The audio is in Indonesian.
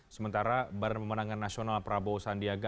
sementara badan pemenangan nasional prabowo sandiaga